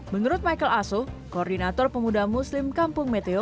menurut michael asuh koordinator pemuda muslim kampung meteo